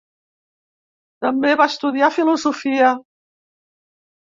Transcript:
També va estudiar filosofia.